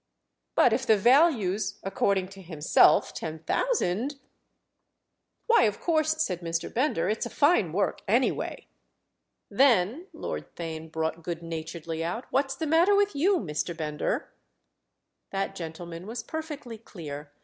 "But if the value's, according to himself, ten thousand——?" "Why, of course," said Mr. Bender, "it's a fine work anyway." "Then," Lord Theign brought good naturedly out, "what's the matter with you, Mr. Bender?" That gentleman was perfectly clear.